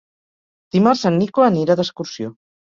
Dimarts en Nico anirà d'excursió.